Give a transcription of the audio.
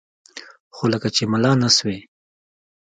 خو لکه چې ملا نه سوې.